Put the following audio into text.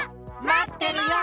まってるよ！